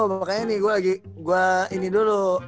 aduh makanya nih gue lagi gue ini dulu